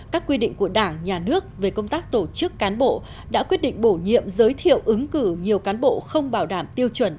các quy định của đảng nhà nước về công tác tổ chức cán bộ đã quyết định bổ nhiệm giới thiệu ứng cử nhiều cán bộ không bảo đảm tiêu chuẩn